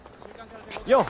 よう！